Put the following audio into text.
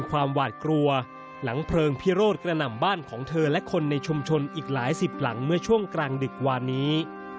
เวลาต่อไปน่านำบ้านของเธอและคนในชมชนอีกหลายสิบหลังเมื่อช่วงกลางดึกวันนี้